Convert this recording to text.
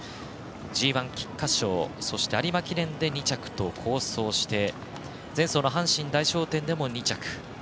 ＧＩ、菊花賞、そして有馬記念で２着と好走して前走の阪神大賞典でも２着。